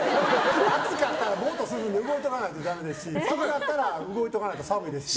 暑かったらボーッとするんで動いておかないとダメですし寒かったら動いておかないと寒いですし。